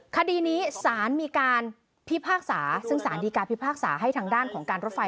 คดีนี้สารมีการพิพากษาซึ่งสารดีการพิพากษาให้ทางด้านของการรถไฟ